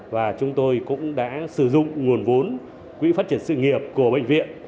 và chúng tôi cũng đã sử dụng nguồn vốn quỹ phát triển sự nghiệp của bệnh viện